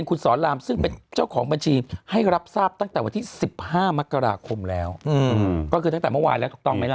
ก็คือตั้งแต่เมื่อวายแล้วถูกต้องไหมล่ะ